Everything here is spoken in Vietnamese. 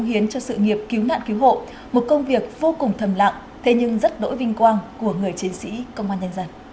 hãy đăng ký kênh để ủng hộ kênh của mình nhé